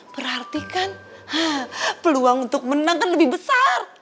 berarti kan peluang untuk menang kan lebih besar